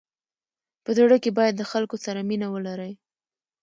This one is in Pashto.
په زړه کي باید د خلکو سره مینه ولری.